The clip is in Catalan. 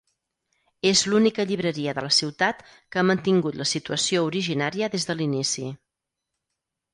És l’única llibreria de la ciutat que ha mantingut la situació originària des de l’inici.